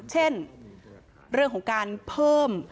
เช่นเรื่องของการเพิ่ม